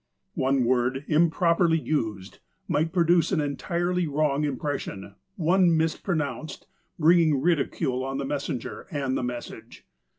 One word imi)roperly used might produce an entirely wrong impression — one mispronounced, bring ridicule on the messenger and the message.